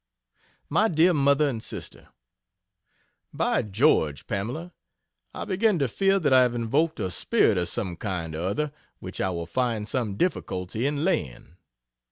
MY DEAR MOTHER AND SISTER, By George Pamela, I begin to fear that I have invoked a Spirit of some kind or other which I will find some difficulty in laying.